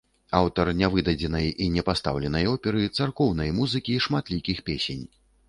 Аўтар нявыдадзенай і не пастаўленай оперы, царкоўнай музыкі, шматлікіх песень.